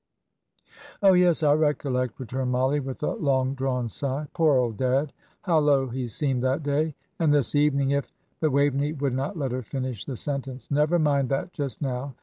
'" "Oh, yes, I recollect," returned Mollie, with a long drawn sigh. "Poor old dad! How low he seemed that day! And this evening, if " But Waveney would not let her finish the sentence. "Never mind that just now.